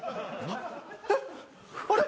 えっあれ？